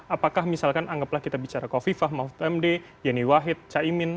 apakah misalkan anggaplah kita bicara kofifa mahfud md yeni wahid caimin